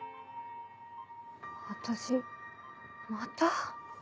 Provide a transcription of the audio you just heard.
私また？